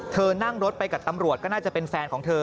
เธอนั่งรถไปกับตำรวจก็น่าจะเป็นแฟนของเธอ